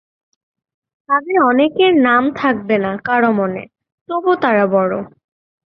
তাদের অনেকের নাম থাকবে না কারও মনে, তবু তারা বড়ো।